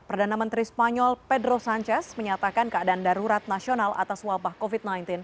perdana menteri spanyol pedro sanchez menyatakan keadaan darurat nasional atas wabah covid sembilan belas